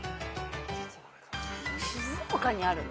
静岡にあるの？